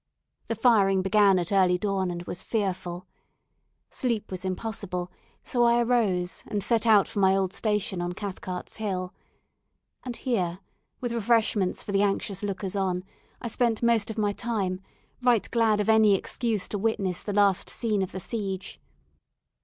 The firing began at early dawn, and was fearful. Sleep was impossible; so I arose, and set out for my old station on Cathcart's Hill. And here, with refreshments for the anxious lookers on, I spent most of my time, right glad of any excuse to witness the last scene of the siege.